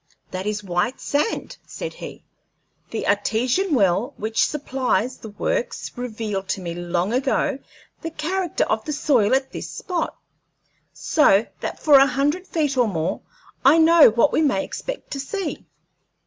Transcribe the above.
"That is white sand," said he. "The Artesian well which supplies the works revealed to me long ago the character of the soil at this spot, so that for a hundred feet or more I know what we may expect to see."